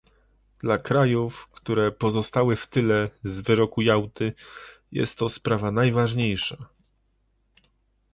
Dla krajów, które pozostały w tyle, z wyroku Jałty, jest to sprawa najważniejsza